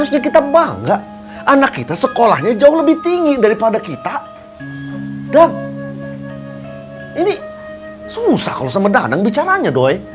sampai jumpa di video selanjutnya